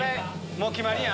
もう決まりやん。